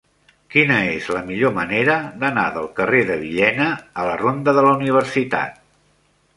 Quina és la millor manera d'anar del carrer de Villena a la ronda de la Universitat?